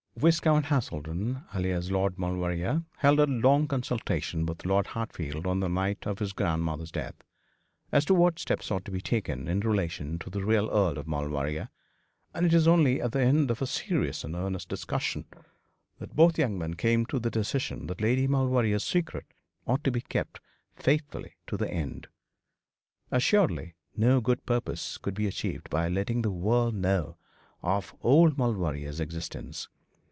Viscount Haselden, alias Lord Maulevrier, held a long consultation with Lord Hartfield on the night of his grandmother's death, as to what steps ought to be taken in relation to the real Earl of Maulevrier: and it was only at the end of a serious and earnest discussion that both young men came to the decision that Lady Maulevrier's secret ought to be kept faithfully to the end. Assuredly no good purpose could be achieved by letting the world know of old Lord Maulevrier's existence.